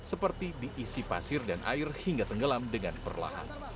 seperti diisi pasir dan air hingga tenggelam dengan perlahan